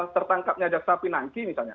tertangkap nyajak sapi nanki misalnya